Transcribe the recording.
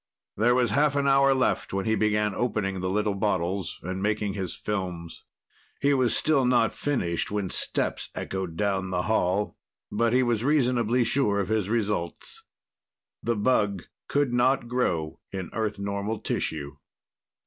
There was half an hour left when he began opening the little bottles and making his films. He was still not finished when steps echoed down the hall, but he was reasonably sure of his results. The bug could not grow in Earth normal tissue.